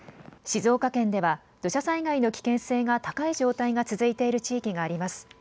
静岡県では土砂災害の危険性が高い状態が続いている地域があります。